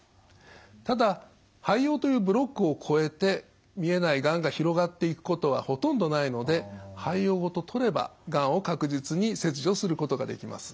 ただ肺葉というブロックを越えて見えないがんが広がっていくことはほとんどないので肺葉ごと取ればがんを確実に切除することができます。